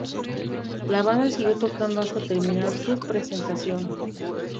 La banda siguió tocando hasta terminar su presentación.